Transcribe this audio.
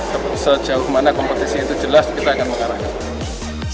sejauh kemana kompetisi itu jelas kita akan mengarang